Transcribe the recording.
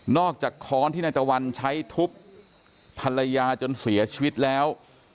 อกจากค้อนที่นายตะวันใช้ทุบภรรยาจนเสียชีวิตแล้ว